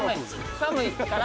寒いから？